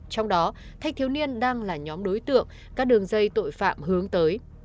trong đó thanh thiếu niên đang là nhóm đối tượng các đường dây tội phạm hướng tới